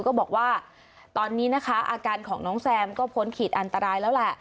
ก็บอกว่าตอนนี้นะคะอาการของน้องแซมก็พ้นขีดอันตรายแล้วแหละ